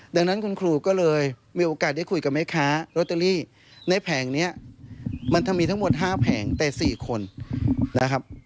ดังนั้นคุณครูก็เลยมีโอกาสได้คุยกับแม่ค้าโรตเตอรี่ในแผงนี้มันจะมีทั้งหมด๕แผงแต่๔คนนะครับ